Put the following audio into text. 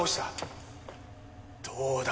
どうだ！